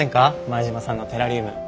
前島さんのテラリウム。